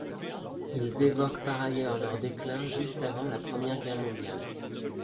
Ils évoquent par ailleurs leur déclin juste avant la Première Guerre mondiale.